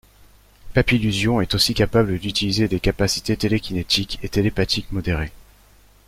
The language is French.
Papilusion est aussi capable d'utiliser des capacités télékinétiques et télépathiques modérées.